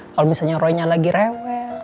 kalau misalnya roynya lagi rewel